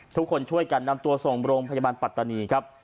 ทุกคนช่วยกันนำตัวส่งโรงพยาบาลปัตตานีครับ